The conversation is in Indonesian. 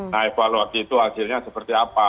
nah evaluasi itu hasilnya seperti apa